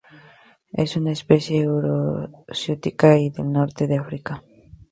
Es una especie euroasiática y del norte de África.